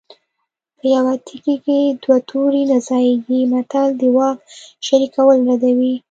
په یوه تیکي کې دوه تورې نه ځاییږي متل د واک شریکول ردوي